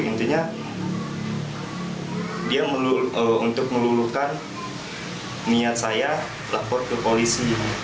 intinya dia untuk meluluhkan niat saya lapor ke polisi